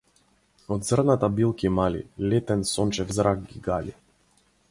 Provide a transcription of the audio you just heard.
Од зрната билки мали - летен сончев зрак ги гали.